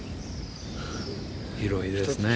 広いですね。